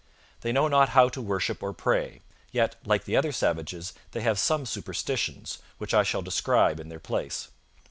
They know not how to worship or pray; yet, like the other savages, they have some superstitions, which I shall describe in their place.